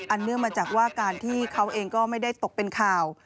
เนื่องมาจากว่าการที่เขาเองก็ไม่ได้ตกเป็นข่าว